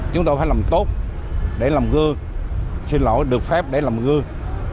chúng tôi phải làm tốt để làm gương xin lỗi được phép để làm gương